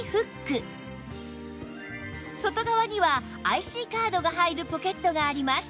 外側には ＩＣ カードが入るポケットがあります